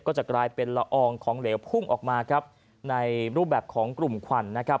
ก็จะกลายเป็นละอองของเหลวพุ่งออกมาครับในรูปแบบของกลุ่มควันนะครับ